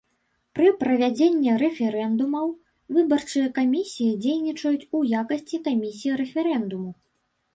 Пры правядзенні рэферэндумаў выбарчыя камісіі дзейнічаюць у якасці камісій рэферэндуму.